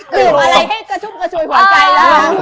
เกือบอะไรให้กระชุบกระชวยขวานใกล้แล้ว